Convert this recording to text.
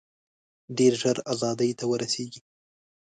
ډېر ژر آزادۍ ته ورسیږي.